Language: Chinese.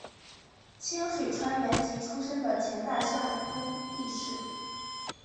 清水川元吉出身的前大相扑力士。